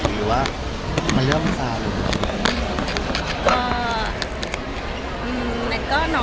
หรือว่ามันเริ่มตลอดหรือ